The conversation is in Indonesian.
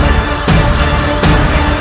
aku perintahkan kepada